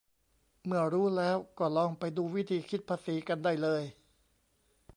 เมื่อรูัแล้วก็ลองไปดูวิธีคิดภาษีกันได้เลย